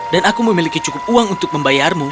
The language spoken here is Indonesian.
dan aku memiliki cukup uang untuk membayarmu